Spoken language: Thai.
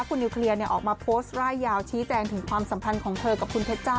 คุณนิวเคลียร์ออกมาโพสต์ร่ายยาวชี้แจงถึงความสัมพันธ์ของเธอกับคุณเพชรจ้า